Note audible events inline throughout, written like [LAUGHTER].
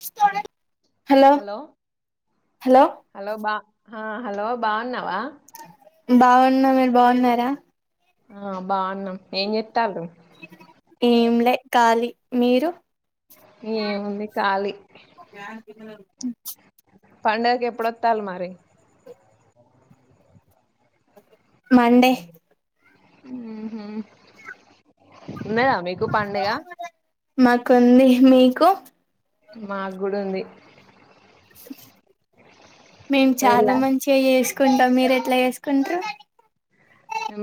వస్తార hello hello hello బా హ hello బాగున్నావా బాగున్న మీరు బాగున్నారా ఆ బాగున్నాం ఏం చెత్ ఏం లే ఖాళీ మీరు ఏముంది ఖాళీ పండుగకి ఎప్పుడొత్తాలి మరి మండే ఉహు లేదు మీకు పండుగ మాకు ఉంది మీకు మాకు గుడా ఉంది మేము చాలా వెళ్ళా మంచిగా చేసు కుంటాం మీరు ఎట్లా చేసుకుంట్రు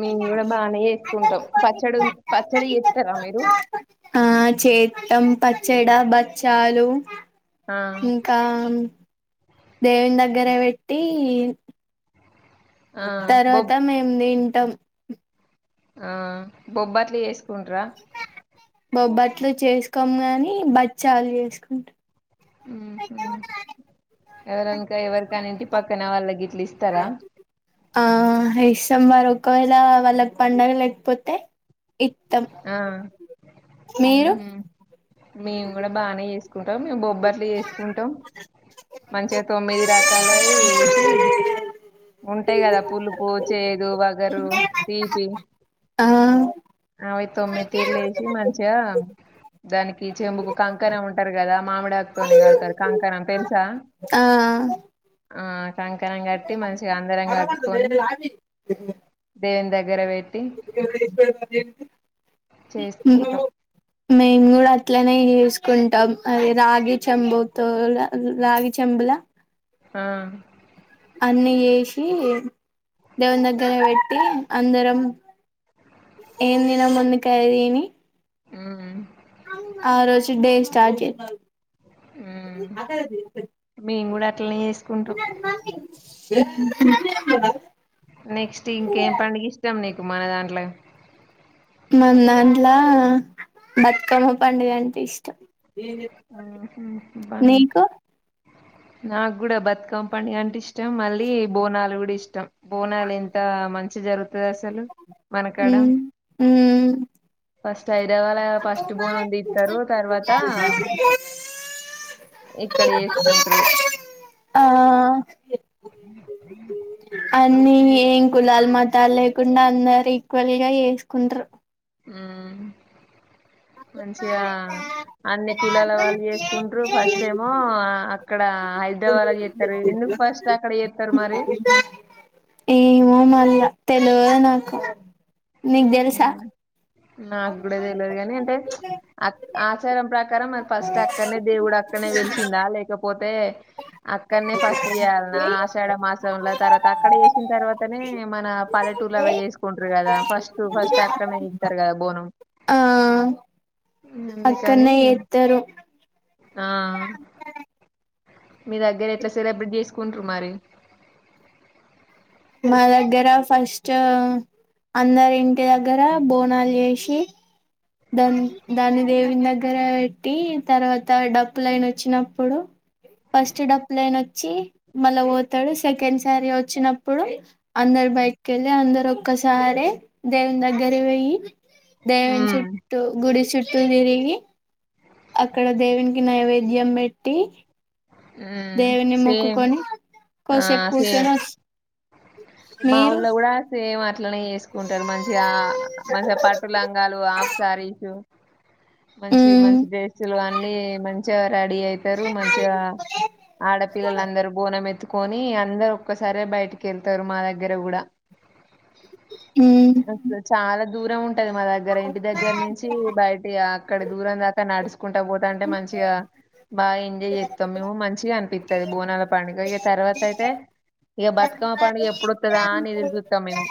మేము కూడా బాగానే చేసుకుంటాం పచ్చడి పచ్చడి చేత్తారా మీరు ఆ చేత్తం పచ్చడ బచ్చాలు ఆ ఇంకా దేవుని దగ్గర పెట్టి ఆ బొబ్ తర్వాత మేము తింటాం ఆ బొబ్బట్లు చేసుకుంట్రా బొబ్బట్లు చేసుకొము గాని బచ్చాలు చేసుకుంటాం ఎవరనకా ఎవరికాన్న ఇంటి పక్కన వాళ్ళకీ ఆ ఏ సాంబరు ఒకవేళ వాళ్ళకి పండగ లేకపోతే ఇత్తాం ఆ ఉహు మేము కూడా బానే చేస్ కుంటాం మేము బొబ్బట్లు చేసుకుంటాం మంచిగా తొమ్మిది రకాలలు ఏసి అవి ఉంటాయి కదా పులుపు చేదు వగరు తీపి ఆ అవి తొమ్మిది తీర్లు ఏసి మంచిగా దానికి చెంబుకు కంకణం అంటారు కదా మామిడిఆకు తొని కడుతారు కంకణం తెలుసా ఆ ఆ కంకణం మే మంచిగా అందరం కట్టుకొని దేవుని దగ్గర పెట్ చేసుకుంటాం మిము కూడా అట్లే ఎసుకుంటాం అ రాగి చెంబుతో రాగి చెంబులా ఆ అన్ని చేసి దేవుని దగ్గర పెట్టి అందరం ఏం తిన ముందుకు అయా ఏమి ఉమ్ ఆ రోజు డే స్టార్ట్ చేద్దాం ఉమ్ అదే మేము కూడా అట్లనే చేసుకుంటాం [UNINTELLIGIBLE] నెక్స్ట్ ఇంకేం పడుగ ఇష్టం నీకు మన దాంట్లో మ దాంట్లో బతుకమ్మ పండుగ అంటే ఇష్టం బం నీకు నాకు కూడా బతుకమ పడు అంటే ఇష్టం మళ్ళీ బోనాలు కూడా ఇష్టం ఇష్టం బోనాలు ఎంత మంచి జరుగుతు అసలు మనకాడ మ్మ్ మ్మ్ చైడ వాళ ఫస్ట్ బోన్ ఉంది ఇస్తారు తర్వాత ఇక్కడ చేసుకుంటారు ఆ న్ని ఏం కులాలు మతాలు లేకుండా అందరు ఈక్వల్ గా వసుకుంటారు ఆ మంచిగా అన్ని కులాల వాళ్ళు చేసుకుంటూ ఫస్ట్ ఏమో అక్కడ హైదరాబాద్ చేస్తారు ఎందుకు ఫస్ట్ అక్కడ చేస్తారు మరి ఏమో మళ్ళా తెలవదు నాకు నీకు తెలుసా నాకు కూడాడేది తెలేదు గాని అంటే అ ఆచారం ప్రకారం మరి ఫస్ట్ అక్కడనే దేవుడు అక్కడనే వెలిసిందా లేకపో పోతే అక్కడనే ఫస్ట్ చేయాల నా ఆశడ మా తర్వాత అక్కడ వేసిన తర్వాతనే మన పలెటూర్లలా వేసుకుంటారు కదా ఫస్ట్ ఫస్ట్ అక్కడనే ఇస్తారు కదా బోనం అక్కన అందుకని ఎత్తారు ఆ మీ దగ్గర ఎట్లా సెలబ్రేట్ చేసుకుంటారు మరి మా దగ్గర ఫస్ట్ అందరి ఇంటి దగ్గర బోనాలు చేసి దాని దాన్ని దేవి దగ్గర పెట్టి తర్వాత డప్పు లైన్ వచ్చినప్పుడు ఫస్ట్ డప్పులన వచ్చి మళ్ళా పోతాడు సెకండ్ సారీ వచ్చినప్పుడు అందరు బైక్ వెళ్ళి అందరు ఒక్కసారి దేవుని దగ్గర వెయి అ గుడి చుట్టూ తిరిగి అక్కడ దేవునికి నైవేద్యం పెట్టి ఉమ్ దేవుని సేమ్ మొక్కుకొని కొసేపు కూర్చొని మీరు మాఊళ్ళ కూడా సేమ్ అట్లనే చేసుకుంటారు మంచిగా మంచిగా పట్టులంగాలు ఆప్స రీ మంచి హ్మ్ మంచి డ్రెస్సులు అన్ని మంచి రెడీ అయితారు మంచిగా ఆడపిల్లలందరు బోనం ఎత్తుకొని అందరు ఒసారే బయటికి వెళ్తారు మా దగ్గర కూడా హ్మ్ అలు చాలా దూరం ఉంటది మా దగ్గర ఇంటి దగ్గర నించి బయటి అక్కడ దూరం దాకా నడుచు కుంటా పోతా అంటే మంచిగా బాగా ఎంజాయ్ చేస్తాం మేము మంచిగా అనిపిస్తుది బోనాల పండుగ ఇక తర్వాత అయితే ఇక బతుకమ్మ పండుగ ఎప్పుడుతుదాని ఎదుగుతా మేము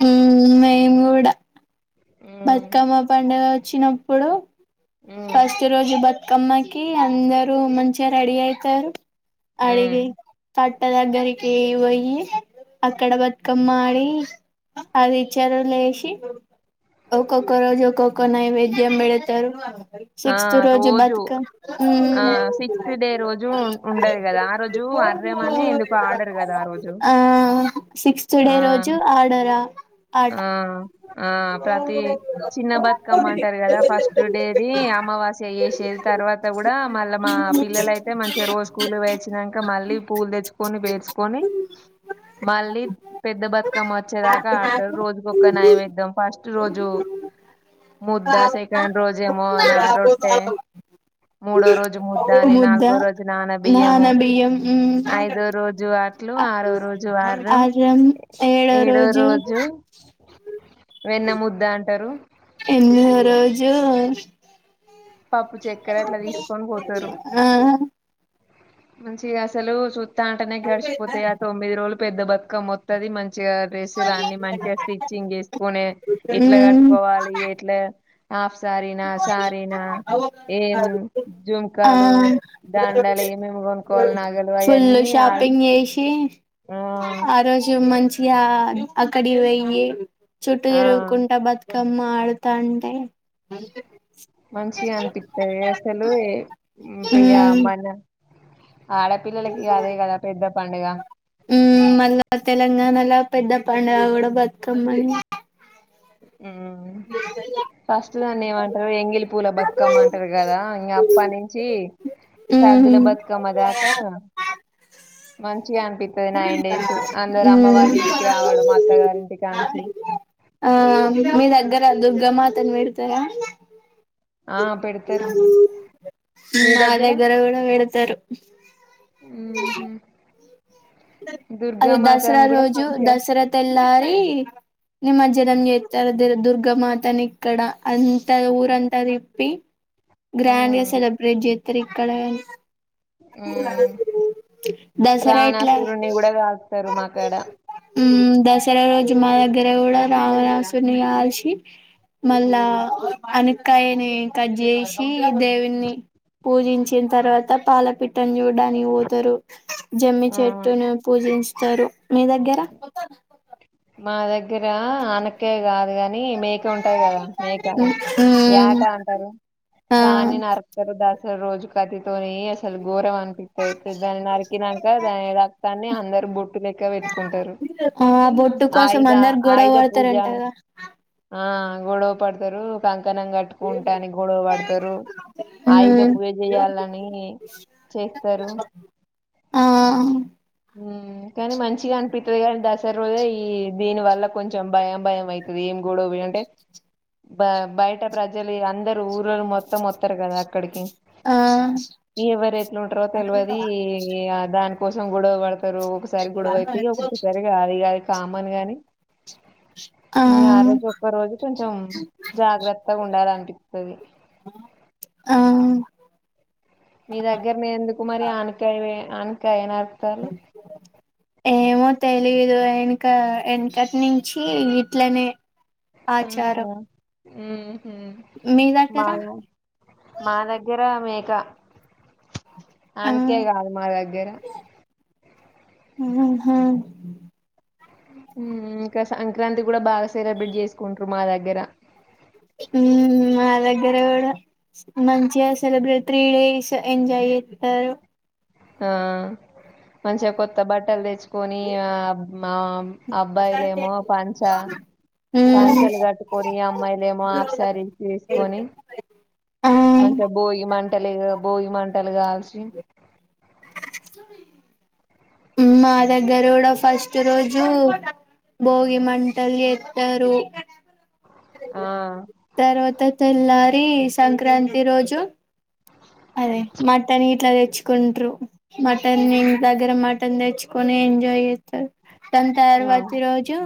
న ఉమ్ బతుకమ్మ పండుగ వచ్చినప్పుడు ఉమ్ ఫస్ట్ రోజు బతు క్కమ్మకి అందరు మంచిగ రెడీ అయితరు అడిగి ఉమ్ తద గరికి పోయి అక్కడ బతుకమ్మ ఆడి అదిచరు లేేసి ఒక్కొక్క రోజు ఒక్కొక్క నైవేద్యం పేడతరు సిక్స్త్ రోజు బతుక ఆ హ్మ్ సిక్స్త్ డే రోజు ఉం- ఉండదు కదా ఆ రోజు అర్రం అని ఎందుకో ఆడరు కదా రోజు ఆ సిక్స్త్ డే ఆ రోజు ఆడర ఆట ఆ ఆ ప్రతి ది అమావాస్య యేసేది తర్వాత గూడ మళ్ళ మా పిల్లలయితే మంచిగ రోజు స్కూల్ వచ్చినంక మళ్ళీ పూలు తెచ్చుకొని బేర్చుకొని మళ్ళీ పెద్ద బతుకమ్మ వచ్చేదాక ఆడ రోజుకొక్క నైవేద్యం ఫస్ట్ రోజు ముద్ద సెకండ్ రోజు జెమోన రొట్టే మూడో రోజు ముద్ద అని ముద్ద నాలుగో రోజు నాన బియ్యము ఐదో రోజు ట్లు ఆరో రోజు వారం అర్రం ఏడో రోజు వెన్న ముద్ద అంటరు ఎనిమిదవ రోజు పప్పు చక్కెర అట్ల తీసుకొని పోతరు ఆ మంచిగ అసలు సూత్తాంటనే గడిచిపోతాయి ఆ తొమ్మిది రోజులు పెద్ద బతుకమ్మ వత్తది మన్ చిగ డ్రెస్సులు అన్ని మంచిగ స్టిచ్చింగ్ జేసుకునే ఎట్ల గ ట్టుకోవాలి ఎట్ల హాఫ్ సారీన సారీన ఏం ఆ జుంకాలు దాన్ లేమేమి గొనుక్కోవాలి ఫుల్లు షాపింగ్ జేశి ఆ ఆ రోజు మంచిగ అక్కడికి బొయ్యి చుట్టూ ఆ తిరుగుకుంట బతుకమ్మ ఆడుతాంటే మంచిగ అనిపిత్తదిగ అసలు ఉమ్ అమ్మన ఆడపిల్లలకిగదే గద పెద్ద పండగ మ్ మళ్ళ తెలంగాణలో పెద్ద పండగ గూడ బతుకమ్మనే ఉమ్ ఫస్ట్ దాన్ని ఏమంటారు ఎంగిలి పూల బతుకమ్మంటరు గదా ఇంగ పనించి సర్దుల ఉమ్ బతుకమ్మ దాక మంచిగ అనిపిత్తది నైన్ డేస్ అందరు అమ్మ ఉమ్ వాల్లింటికి రావడం అత గారింటి కాంచి ఆ మీ దగ్గర దుర్గ మాతను పెడతారా ఆ పెడతారు హ్మ్ మా దగ్గర గూడ పెడతరు ఉహు అది దుర్గామాత దసరా కూడా రోజు మంచిగా దసరా తెల్లారి నిమజ్ జనం జెత్తారు ద దుర్గామాతని ఇక్కడ అంత ఊరంతా తిప్పి గ్రాండ్ గా ఉమ్ సెలబ్రేట్ జేత్తారిక్కడ ఉమ్ దసరా ఎట్ల రావణాసురుడిని కూడా కాలుస్తారు మాకాడ ఉమ్ దసరా రోజు మద దగ్గర గుడ రావణసుని గాల్సి మళ్ళ ఉమ్ అన్నీ కాయని కట్ చేసి దేవుని పూజించిన తర్వాత పాలపిట్టని చూడ చడానికి పోతారు జమ్మి ఆ చెట్టును పూజించ తరు మీ దగ్గర మా దగ్గర ఆనక్కాయ్ అ గాని మేక ఉంటది కదా మేక మ్మ్ యాట అంటారు ఆ దాని నర్కరు దా రోజు కత్తితోని అసలు ఘోరం అనిపిత్తది దాన్ని నరికినంక దాని రక్తాన్ని అందరు బొట్టు లెక్క బెట్టుకుంటారు ఆ బొట్టు కోసం ఆయుధ అందరు గొడవ ఆయుధ పూజ పడతారంటగా ఆ గొడవ పడతారు క కనం గట్టుకుంటని గొడవ పడతరు ఆయుధ మ్మ్ పూజ జేయ్యల్లని చేస్తరు ఆ ఉమ్ కానీ మంచిగానిపిత్తది గాని దసరా రోజే ఈ దీని వల్ల కొంచెం భయం భయం అవుతుంది ఏమి గోడ వంటే బ బయట ప్రజలు అందరుూ ఊరోల్లు మొత్తం వస్తారు కదా అక్కడికి ఆ ఎవ్వరెట్లుంటరో తెలివది దానికోసం గొడవ పడతారు ఒకసారి గొడవ అయిత ఒక్కొక్కసారి కాదు కాది కామన్ గాని ఇ ఆ రోజు ఒక్క రోజు కొంచెం జాగ్రత్తగా ఉండాలనిపిస్తుంది ఆ మీ దగ్గరని ఎందుకు మరి ఆనకాయ ఆనకాయన ఏ మ తెలి విదు వెనుక వెకటి నుంచి ఇట్లనే ఆచారం హా మీ మా దగ్గర మా దగ్గర మేక ఆ అనకే కాదు మా దగ్గర ఆా ఇంకా సంక్రాంతి కూడా బాగా సెలబ్రేట్ చేసుకుంటారు మా దగ్గర ఉ మా దగ్గర కూడా మంచించి సెలిబ్రేట్ త్రీ డేస్ ఎంజాయ ఇ ఆ మంచిగా కొత్త బట్టలు తెచ్చు కని మా అబ్బాయిలేమో పంచ మ్మ్ పంచలు కట్టుకొని అమ్మాయిలుమో ఆఫ్సారీ తీసుకొని ఆ మంచిగా భోగి మంటలే భోగి మంటలు కాల్సి మా దగ్గర కూడా ఫస్ట్ రోజు బోగి మంటలి ఎత్తారు ఆ తర్వాత తెల్లారి సంక్రాంతి రోజు అదే మటన్ ఇట్లా తెచ్చుకుంట్రు మటన్ ఇంటి దగ్గర మటన్ తెచ్చుకొని ఎంజాయ్ చేస్తారు దని ఆ తర్వాతి రోజు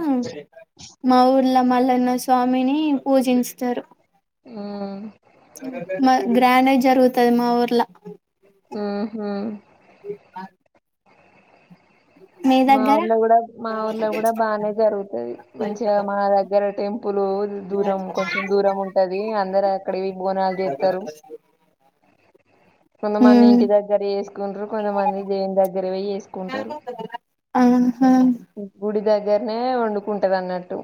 మా ఊర్లో మళ న స్వామిని పూజిస్తారు ఆ మా గ్రాండ్ అ జరుగుతుది మా ఊర్లా ఆహా మీ మా దగ్గర ఊర్లో కూడా మా ఊర్లో కూడా బాగానే జరుగుతుది మంచిగా మా దగ్గర టెంపు లు దూరం కొంచెం దూరం ఉంటది అందరు అక్కడవి బోనాలు చేస్తారు కొంతమంది ఉమ్ ఇంటి దగ్గర వేసుకుంటారు కొంతమంది దేని దగ్గర వేసుకుంటారు ఆహా దగ్గరనే వండుకుంటది అన్నట్టు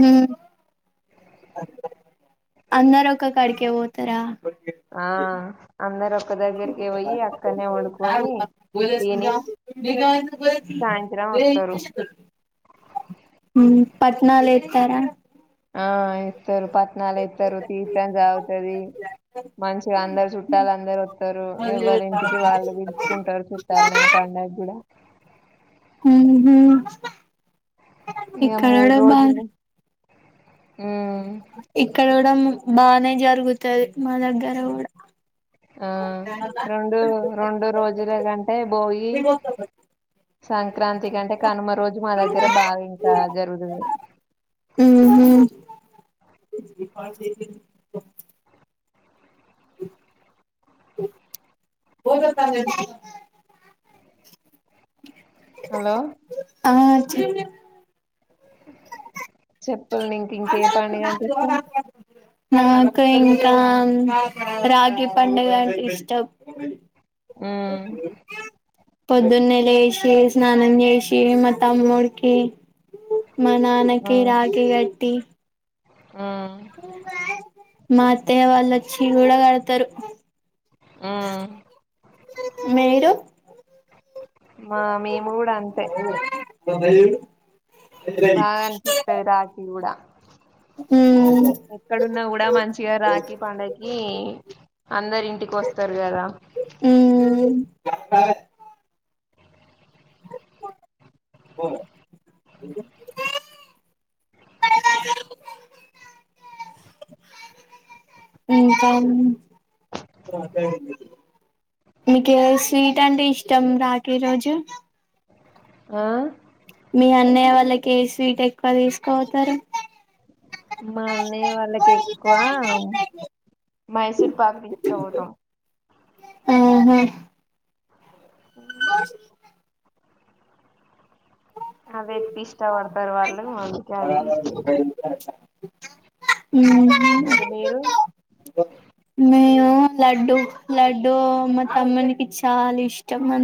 హ అందర ఒక కడికే పోతారా వకే ఆ అందరు ఒక్క దగ్గరికి పోయి అక్కడనే వండుకొని తిని సాయంత్రం వస్తారు [UNINTELLIGIBLE] హ పట్నాాల ఇర్తార ఆ ఇస్తారు పట్టనాలు ఇస్తారు తీసం జగుతుది మంచిగా అందరు చుట్టాలు అందరు వస్తారు ఎవరి ఇంటికి వాళ్ళు విలుచుకుంటారు చుట్టాలని ఆ ప ఉయి కూడా [INAUDIBLE] ఇక ఇక్కడ మూడు కూడా బ రోజులు ఉమ్ ఇక్కడ కూడా బానే జరుగుతుది మా దగ్గర కూడా ఆ రెండు రెండు రోజుల కంటే బోగి సంక్రాంతి కంటే కనుమ రోజు మా దగ్గర బాగా ఇంకా జరుగుతుంది [INAUDIBLE] పా [INAUDIBLE] [UNINTELLIGIBLE] హలో ఆ చెప్ చెప్పండి ఇంక ఎ పండుగ అంటే ఇష్టం నాకు ఇంకా రాఖీ పండుగ అంటే ఇష్టం ఊ పొద్దున్నెల లేసి స్నానం చేసి మా తమ్ముడికి మా నాన్నకి ఉమ్ రాఖీ గట్టి ఉమ్ మా అత్తయ్య వాళ్ళు వచ్చి కూడా కడతరు ఉమ్ మీరు మా మేము కూడా అంతే ఫోన్ ఏడి బాగా అనిపితది రాఖీ కూడా ఉ ఎక్కడున్నా కూడా మంచిగా రాఖి పండకి అందరు ఇంటికి వస్తారు కదా మ్మ్ [UNINTELLIGIBLE] పోఓ ఇంకా మీకు ఏ స్వీట్ అంటే ఇష్టం రాఖీ రోజు ఆ మీ అన్నయ్య వాళ్ళకి ఏ స్వీట్ ఎక్కువ తీసుకోతారు మా అన్నయ్య వాళ్ళకి ఎక్కువ మైసూర్ పాక్ తీసుకపోతం ఆహా [INAUDIBLE] అది ఎక్కువ ఇష్టపడతారు వాళ్ళు అందుకే అది చేస్న ఉ మరి మీరు నేను లడ్డు లడ్డూ మా తమ్మునికి చాలా ఇష్టం మ